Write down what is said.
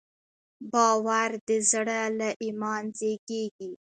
باور د زړه له ایمان زېږېږي.